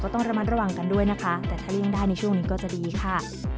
ต้องระมัดระวังกันด้วยนะคะแต่ถ้าเลี่ยงได้ในช่วงนี้ก็จะดีค่ะ